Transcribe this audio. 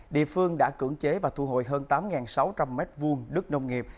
địa phương đã cưỡng chế và thu hồi hơn tám sáu trăm linh m hai đất nông nghiệp